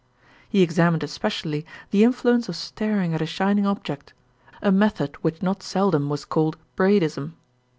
He examined especially the influence of staring at a shining object, a method which not seldom was called Braidism.